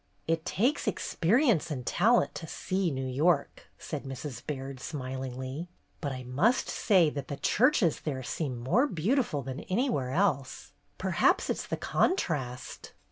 "It takes experience and talent to 'see New York,' " said Mrs. Baird, smilingly. "But I must say that the churches there seem more beautiful than anywhere else. Perhaps it 's the contrast."